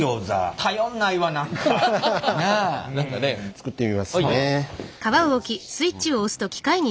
作ってみますね。